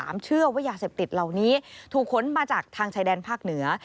เชื่อว่ายาเสพติดเหล่านี้ถูกขนมาจากทางชายแดนภาคเหนือ